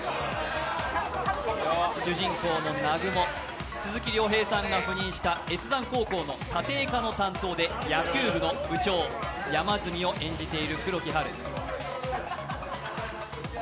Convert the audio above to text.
主人公の南雲、鈴木亮平さんが赴任した越山高校の家庭科の担当で野球部の部長、山住を演じている黒木華。